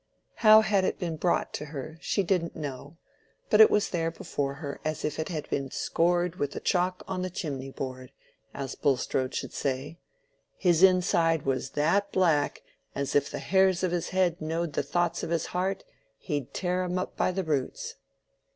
How it had been brought to her she didn't know, but it was there before her as if it had been "scored with the chalk on the chimney board—" as Bulstrode should say, "his inside was that black as if the hairs of his head knowed the thoughts of his heart, he'd tear 'em up by the roots."